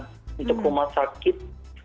untuk rumah sakit